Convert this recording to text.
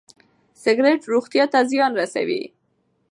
سګرټ روغتيا ته زيان رسوي.